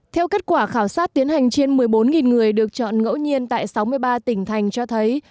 theo kết quả khảo sát tiến hành trên một mươi bốn người được chọn ngẫu nhiên tại sáu mươi ba tỉnh thành cho thấy